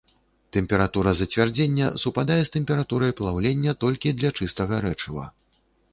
Тэмпература зацвярдзення супадае з тэмпературай плаўлення толькі для чыстага рэчыва.